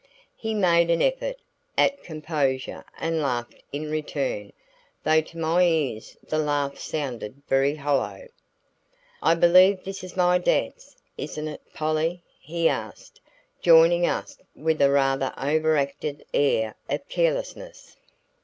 He made an effort at composure and laughed in return, though to my ears the laugh sounded very hollow. "I believe this is my dance, isn't it, Polly?" he asked, joining us with rather an over acted air of carelessness.